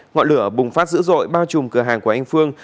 ngọn lửa bùng phát dữ dội bao trùm cửa hàng của anh phương